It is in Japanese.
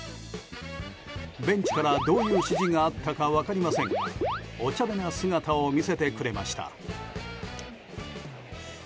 ベンチからどういう指示があったか分かりませんがおちゃめな姿を見せてくれました。